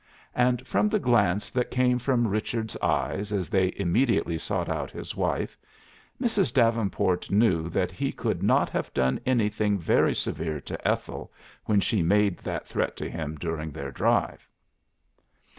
And from the glance that came from Richard's eyes as they immediately sought out his wife, Mrs. Davenport knew that he could not have done anything very severe to Ethel when she made that threat to him during their drive.